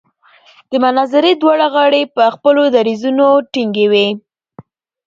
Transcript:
د مناظرې دواړه غاړې په خپلو دریځونو ټینګې وې.